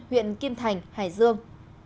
huyện kim thành hải dương